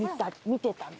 見てたの？